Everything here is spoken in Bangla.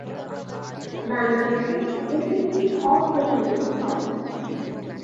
বাংলাদেশে এটি একটি অপ্রচলিত ফল।